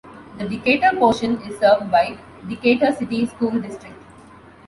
The Decatur portion is served by Decatur City School District.